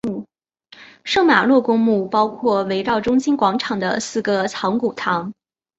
圣玛洛公墓包括围绕中心广场的四个藏骨堂。